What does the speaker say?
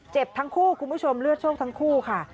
ทั้งคู่คุณผู้ชมเลือดโชคทั้งคู่ค่ะ